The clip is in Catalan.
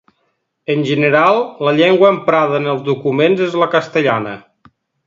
En general, la llengua emprada en els documents és la castellana.